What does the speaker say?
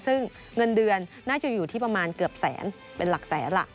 ซึ่งเงินเดือนน่าจะอยู่ที่ประมาณเกือบแสนเป็นหลักแสนล่ะ